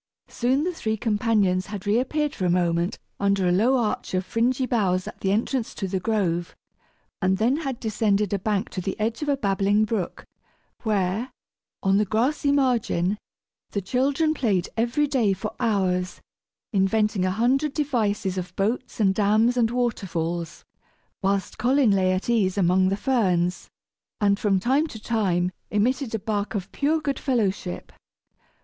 Soon the three companions had reappeared for a moment under a low arch of fringy boughs at the entrance to the grove, and then had descended a bank to the edge of a babbling brook, where, on the grassy margin, the children played every day for hours, inventing a hundred devices of boats and dams and waterfalls, whilst Colin lay at ease among the ferns, and from time to time emitted a bark of pure good fellowship.